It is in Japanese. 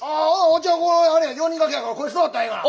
じゃこれ４人掛けやからこれ座ったらええがな。